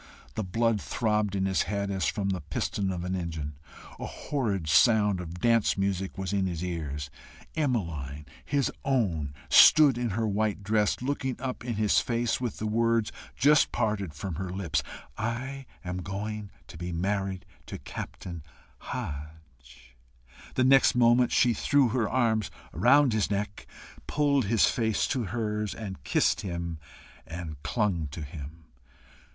The blood throbbed in his head as from the piston of an engine. A horrid sound of dance music was in his ears. Emmeline, his own, stood in her white dress, looking up in his face, with the words just parted from her lips, "I am going to be married to Captain Hodges." The next moment she threw her arms round his neck, pulled his face to hers, and kissed him, and clung to him.